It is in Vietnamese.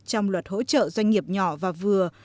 trong luật hỗ trợ doanh nghiệp nhỏ và vừa